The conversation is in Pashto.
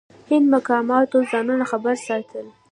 هند مقاماتو ځانونه خبر ساتل.